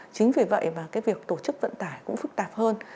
chính vì vậy mà cái việc tổ chức vận tải cũng phức tạp hơn